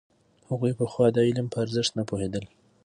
هغوی پخوا د علم په ارزښت نه پوهېدل.